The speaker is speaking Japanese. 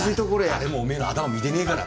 誰もオメエの頭見てねぇから。